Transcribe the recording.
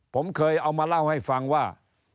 ผมเคยเอามาเล่าให้ฟังว่า